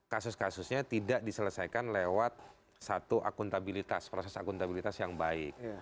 kasus kasusnya tidak diselesaikan lewat satu akuntabilitas proses akuntabilitas yang baik